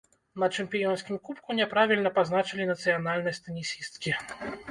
На чэмпіёнскім кубку няправільна пазначылі нацыянальнасць тэнісісткі.